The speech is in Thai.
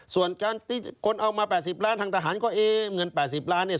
ส่วนการที่คนเอามา๘๐ล้านทางทหารก็เอ๊ะเงิน๘๐ล้านเนี่ย